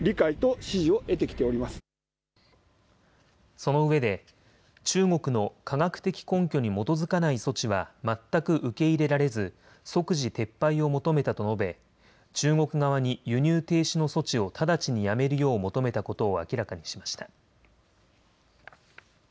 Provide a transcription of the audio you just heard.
そのうえで中国の科学的根拠に基づかない措置は全く受け入れられず即時撤廃を求めたと述べ、中国側に輸入停止の措置を直ちに止めるよう求めたことを明らかにしました。